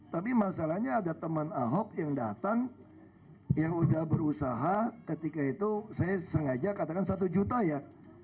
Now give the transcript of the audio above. tapi masalahnya ada teman ahok yang datang yang sudah berusaha ketika itu saya sengaja katakan satu juta ya